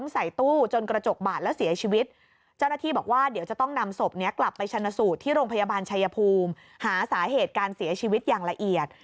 สูตรที่โรงพยาบาลชัยภูมิหาสาเหตุการเสียชีวิตอย่างละเอียด